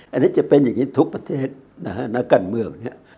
อันนี้จะเป็นอย่างนี้ทุกประเทศในการเมือง